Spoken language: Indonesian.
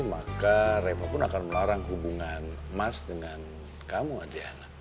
maka reva pun akan melarang hubungan reva sama boy